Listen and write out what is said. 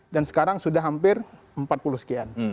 dan sekarang sudah hampir empat puluh sekian